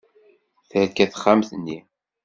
Terka texxamt-nni.